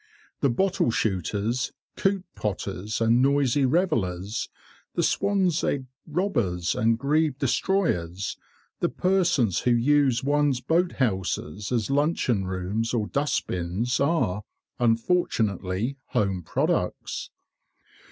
The bottle shooters, coot potters, and noisy revellers, the swan's egg robbers and grebe destroyers, the persons who use one's boat houses as luncheon rooms or dust bins are, unfortunately, home products.